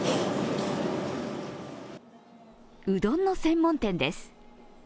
うどんの専門店です。